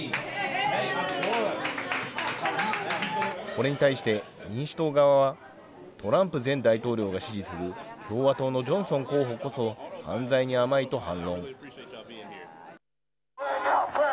これに対して民主党側は、トランプ前大統領が支持する共和党のジョンソン候補こそ犯罪に甘いと反論。